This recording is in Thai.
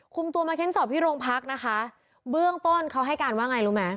คุมตัวมาเค้นสอบที่โรงพักนะคะเบื้องต้นเขาให้การว่าไงรู้ไหม